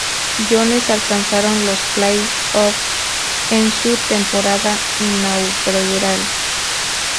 Jones, alcanzaron los play-offs en su temporada inaugural.